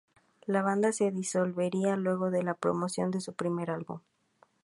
La banda se disolvería luego de la promoción de su primer álbum.